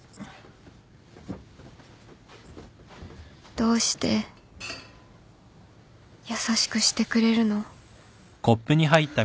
どうして優しくしてくれるの？